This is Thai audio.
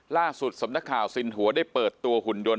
ล่าสุดสำนักข่าวสินหัวได้เปิดตัวหุ่นยนต